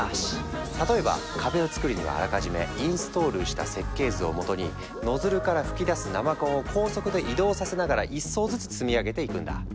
例えば壁をつくるにはあらかじめインストールした設計図をもとにノズルから噴き出す生コンを高速で移動させながら１層ずつ積み上げていくんだ。